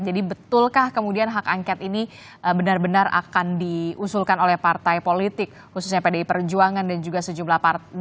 jadi betulkah kemudian hak angket ini benar benar akan diusulkan oleh partai politik khususnya pdi perjuangan dan juga sejumlah partai